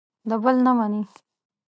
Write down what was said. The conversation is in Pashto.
د بل نه مني.